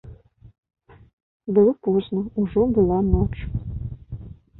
Было позна, ужо была ноч.